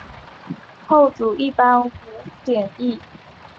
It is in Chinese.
后主一般无庙谥。